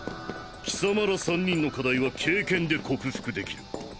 貴様ら３人の課題は経験で克服できる。